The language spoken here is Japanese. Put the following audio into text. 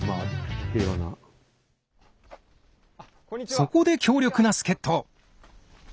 そこで強力な助っ人！